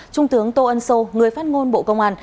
trung tướng tô ân sô người phát ngôn bộ công an